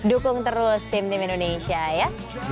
dukung terus tim tim indonesia ya